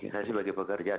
saya sih lagi pekerja